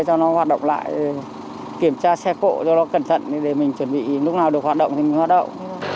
cho nó hoạt động lại kiểm tra xe cộ cho nó cẩn thận để mình chuẩn bị lúc nào được hoạt động thì mình hoạt động